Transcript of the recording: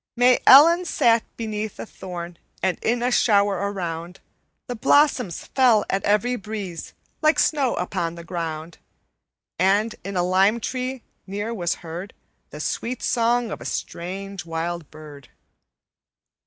"_May Ellen sat beneath a thorn And in a shower around The blossoms fell at every breeze Like snow upon the ground, And in a lime tree near was heard The sweet song of a strange, wild bird.